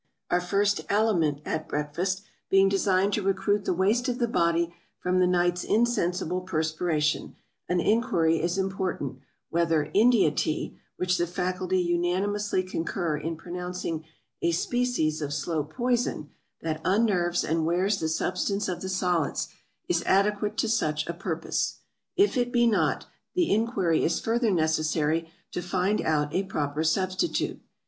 Our first aliment at breakfast, being designed to recruit the waste of the body from the night's insensible perspiration; an inquiry is important, whether INDIA TEA, which the Faculty unanimously concur in pronouncing a species of Slow Poison, that unnerves and wears the substance of the solids, is adequate to such a purpose If it be not the inquiry is further necessary to find out a proper substitute.